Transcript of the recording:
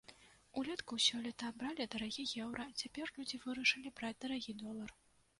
Улетку сёлета бралі дарагі еўра, цяпер людзі вырашылі браць дарагі долар.